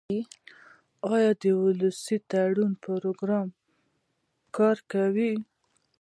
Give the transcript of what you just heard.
آیا د ولسي تړون پروګرام کار کوي؟